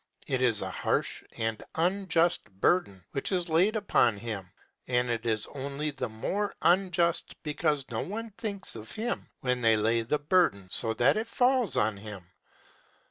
It is a harsh and unjust burden which is laid upon him, and it is only the more unjust because no one thinks of him when laying the burden so that it falls on him.